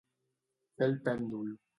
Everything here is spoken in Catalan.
Fer el pèndol.